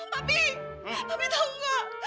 papi papi tau nggak